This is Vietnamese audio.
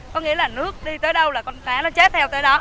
có nghĩa là nước đi tới đâu là con cá nó chết theo tới đó